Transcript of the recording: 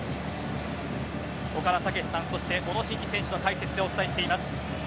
岡田武史さん、そして小野伸二選手の解説でお伝えしています。